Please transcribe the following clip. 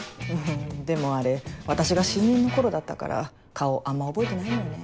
でもあれ私が新任の頃だったから顔あんま覚えてないのよね。